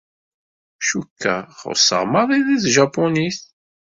Cukkeɣ xuṣṣeɣ maḍi deg tjapunit.